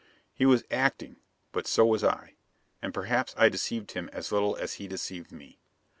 He was acting; but so was I. And perhaps I deceived him as little as he deceived me.